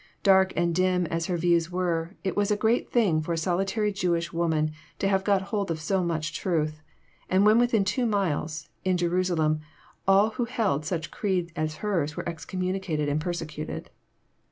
Dark and dim as her views were, it was a great thing for a solitary Jewish woman to have got hold of so much truth, when within two miles, in Jerusalem, all who held such a creed as hers were excommunicated and persecuted.